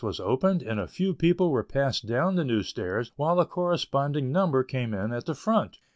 _] was opened and a few people were passed down the new stairs, while a corresponding number came in at the front.